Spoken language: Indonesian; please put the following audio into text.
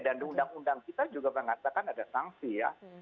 dan di undang undang kita juga mengatakan ada sanksi ya